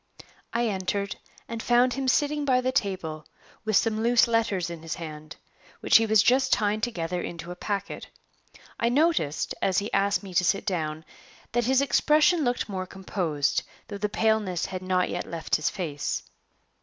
I entered, and found him sitting by the table, with some loose letters in his hand, which he was just tying together into a packet. I noticed, as he asked me to sit down, that his expression looked more composed, though the paleness had not yet left his face.